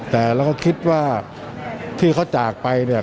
แต่เราก็คิดว่าที่เขาจากไปเนี่ย